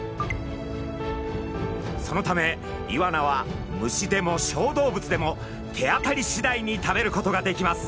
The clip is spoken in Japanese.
そのためイワナは虫でも小動物でも手当たりしだいに食べることができます。